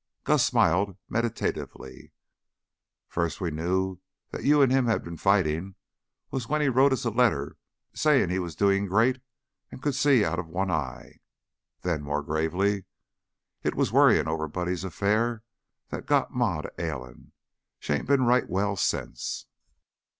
Gus smiled meditatively. "First we knew that you an' him had been fightin' was when he wrote us a letter sayin' he was doin' great an' could see out of one eye." Then, more gravely: "It was worryin' over Buddy's affair that got Ma to ailin'. She 'ain't been right well since.